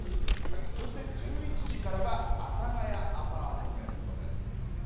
そして１１時からは、阿佐ヶ谷アパートメントです。